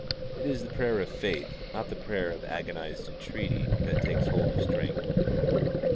It is the prayer of faith, not the prayer of agonised entreaty, that takes hold of strength.